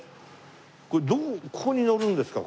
これどこここに乗るんですか？